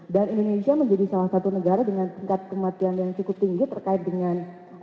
indonesia menjadi salah satu negara dengan tingkat kematian yang cukup tinggi terkait dengan